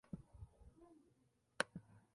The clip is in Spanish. La parroquia es un exclave del cantón Guayaquil.